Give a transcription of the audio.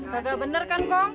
kagak bener kan kong